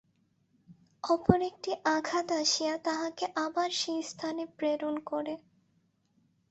অপর একটি আঘাত আসিয়া তাহাকে আবার সেই স্থানে প্রেরণ করে।